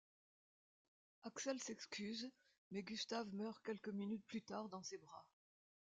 Axel s'excuse mais Gustav meurt quelques minutes plus tard dans ses bras.